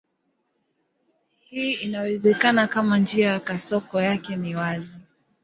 Hii inawezekana kama njia ya kasoko yake ni wazi.